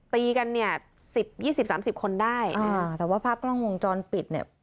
ตีกันเนี่ยสิบยี่สิบสามสิบคนได้อ่าแต่ว่าภาพกล้องวงจรปิดเนี่ย